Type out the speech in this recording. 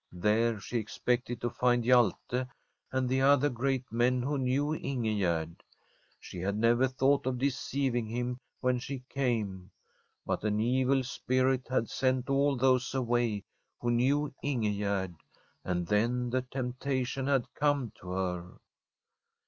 There she expected to find Hjalte and the other great men who knew Ingegerd. She had never thought of deceiving him when she came, but an evil spirit had sent all those away who knew Ingegerd, and then the temptation had come to her.